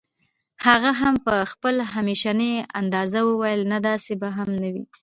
هغې په خپل همېشني انداز وويل نه داسې به هم نه وي